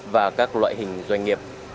và các loại hình doanh nghiệp